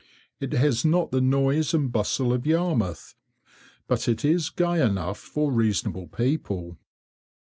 It has not the noise and bustle of Yarmouth, but it is gay enough for reasonable people.